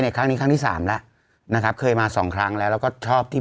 ครั้งนี้ครั้งที่สามแล้วนะครับเคยมาสองครั้งแล้วแล้วก็ชอบที่